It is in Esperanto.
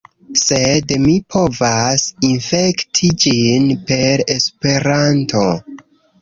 Sed mi povas infekti ĝin per Esperanto